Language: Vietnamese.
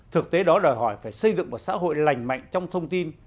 thực tế đó đòi hỏi phải xây dựng một xã hội lành mạnh trong thông tin